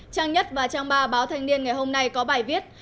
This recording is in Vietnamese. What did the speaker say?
trang nhất và trang ba báo thanh niên ngày hôm nay có bài viết